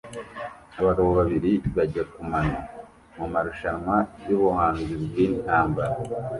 abagabo babiri bajya kumano mumarushanwa yubuhanzi bwintambara